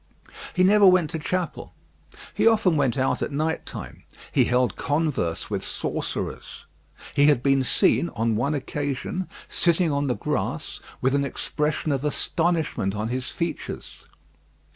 He never went to chapel. He often went out at night time. He held converse with sorcerers. He had been seen, on one occasion, sitting on the grass with an expression of astonishment on his features.